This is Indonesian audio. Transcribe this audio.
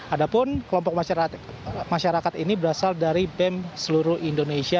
adapun kelompok masyarakat ini berasal dari bem seluruh indonesia